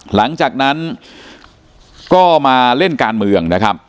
หลังจากนั้นก็มาเล่นการเมืองนะครับ